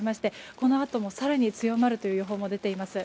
このあとも更に強まるという予報も出ています。